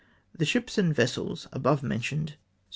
The ships and vessels above mentioned soo?